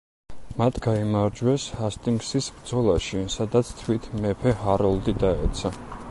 მათ გაიმარჯვეს ჰასტინგსის ბრძოლაში, სადაც თვით მეფე ჰაროლდი დაეცა.